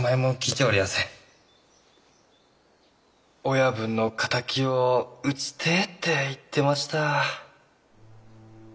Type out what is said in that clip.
「親分の仇を討ちてえ」って言ってました。